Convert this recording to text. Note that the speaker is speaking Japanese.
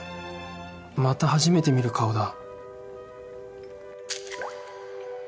また初めて見る顔だ